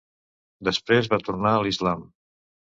Després va tornar a l'islam.